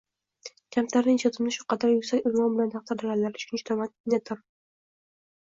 Kamtarin ijodimni shu qadar yuksak unvon bilan taqdirlaganlari uchun juda minnatdorman.